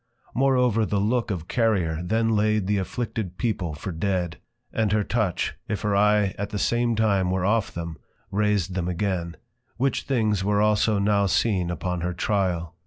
Moreover the Look of Carrier then laid the Afflicted People for dead; and her Touch, if her Eye at the same time were off them, raised them again: Which Things were also now seen upon her Tryal.